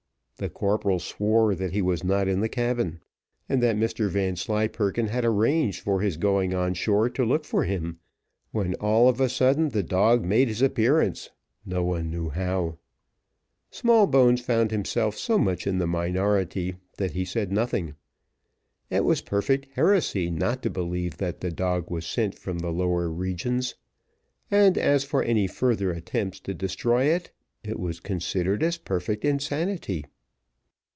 The corporal swore that he was not in the cabin, and that Mr Vanslyperken had arranged for his going on shore to look for him, when all of a sudden the dog made his appearance, no one knew how. Smallbones found himself so much in the minority, that he said nothing. It was perfect heresy not to believe that the dog was sent from the lower regions; and as for any further attempts to destroy it, it was considered as perfect insanity.